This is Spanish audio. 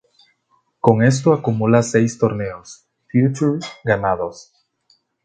Con esto acumula seis torneos "future" ganados.